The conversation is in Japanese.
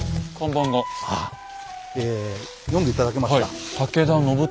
読んで頂けますか？